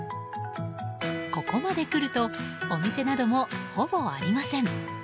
ここまで来るとお店などもほぼありません。